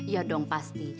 ya dong pasti